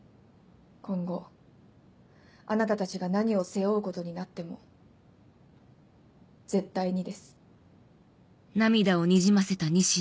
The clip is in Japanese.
今後あなたたちが何を背負うことになっても絶対にです。